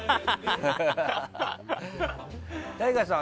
ＴＡＩＧＡさん